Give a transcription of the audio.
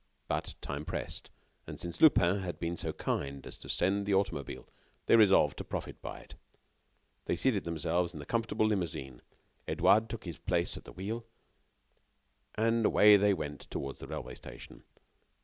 But time pressed, and since Lupin had been so kind as to send the automobile, they resolved to profit by it. They seated themselves in the comfortable limousine; Edouard took his place at the wheel, and away they went toward the railway station.